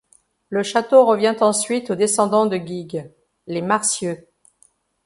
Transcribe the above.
Le château revient ensuite aux descendants de Guigues, les Marcieu.